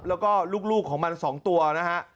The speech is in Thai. แล้วก็ลูกของมัน๒ตัวนะฮะ